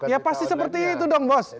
ya pasti seperti itu dong bos